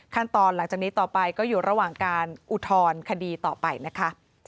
หลังจากนี้ต่อไปก็อยู่ระหว่างการอุทธรณคดีต่อไปนะคะ